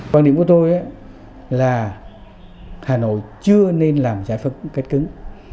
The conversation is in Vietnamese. quan điểm của tôi là hà nội chưa nên làm giải phân cách cứng